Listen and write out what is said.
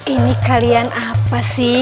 ini kalian apa sih